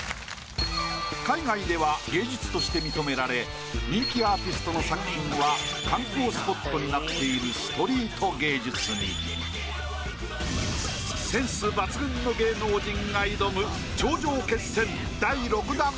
海外では芸術として認められ人気アーティストの作品は観光スポットになっているストリート芸術にセンス抜群の芸能人が挑む。